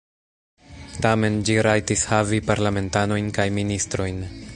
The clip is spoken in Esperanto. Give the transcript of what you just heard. Tamen ĝi rajtis havi parlamentanojn kaj ministrojn.